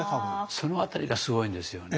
その辺りがすごいんですよね。